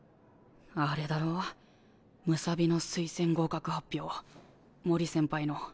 あれだろ武蔵美の推薦合格発表森先輩の。